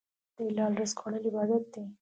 د حلال رزق خوړل عبادت دی.